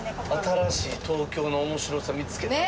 新しい東京の面白さ見つけたな。